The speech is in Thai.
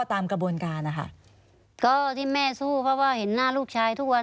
ตามกระบวนการนะคะก็ที่แม่สู้เพราะว่าเห็นหน้าลูกชายทุกวัน